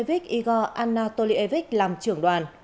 igor anatolievich làm trưởng đoàn